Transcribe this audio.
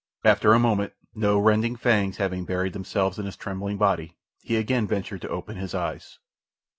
After a moment, no rending fangs having buried themselves in his trembling body, he again ventured to open his eyes.